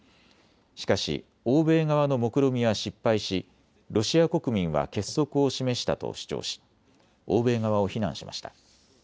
しかし欧米側のもくろみは失敗しロシア国民は結束を示したと主張し欧米側を非難しました。